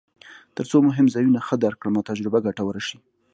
ترڅو مهم ځایونه ښه درک کړم او تجربه ګټوره شي.